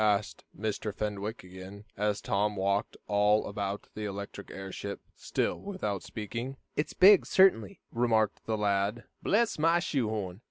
asked Mr. Fenwick again, as Tom walked all about the electric airship, still without speaking. "It's big, certainly," remarked the lad. "Bless my shoe horn!